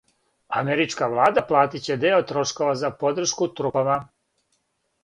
Америчка влада платиће део трошкова за подршку трупама.